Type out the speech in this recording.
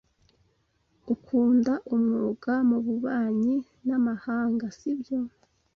Ukunda umwuga mububanyi n’amahanga, sibyo?